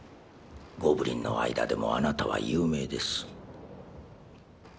ゴブリンの間でもあなたは有名です∈